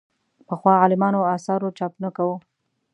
پخوانو عالمانو اثارو چاپ نه کوو.